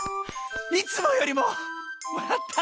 「いつもよりもわらった！」。